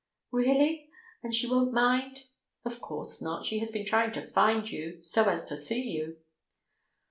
"Really? And she won't mind?" "Of course not, she has been trying to find you so as to see you."